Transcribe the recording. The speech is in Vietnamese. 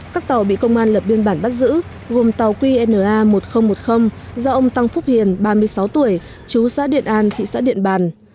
các tàu bị công an lập biên bản bắt giữ gồm tàu qna một nghìn một mươi do ông tăng phúc hiền ba mươi sáu tuổi chú xã điện an thị xã điện bàn